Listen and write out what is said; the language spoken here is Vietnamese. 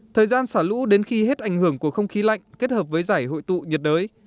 thời gian xả lũ đến khi hết ảnh hưởng của không khí lạnh kết hợp với giải hội tụ nhiệt đới